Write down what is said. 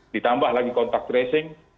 ditambah lagi kontak tracing